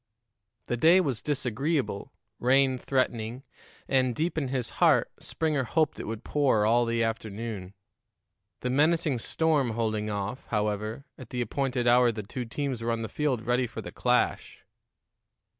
The day was disagreeable, rain threatening, and, deep in his heart, Springer hoped it would pour all the afternoon. The menacing storm holding off, however, at the appointed hour the two teams were on the field ready for the clash.